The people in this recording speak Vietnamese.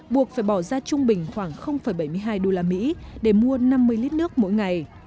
buộc phải bỏ ra trung bình khoảng bảy mươi hai usd để mua năm mươi lít nước mỗi ngày